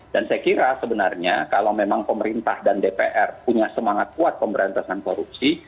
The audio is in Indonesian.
saya kira sebenarnya kalau memang pemerintah dan dpr punya semangat kuat pemberantasan korupsi